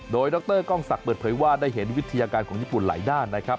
โดยดรกล้องศักดิ์เปิดเผยว่าได้เห็นวิทยาการของญี่ปุ่นหลายด้านนะครับ